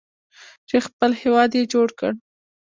چې خپل هیواد یې جوړ کړ.